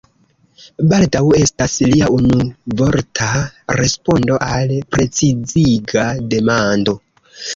“Baldaŭ” estas lia unuvorta respondo al preciziga demando.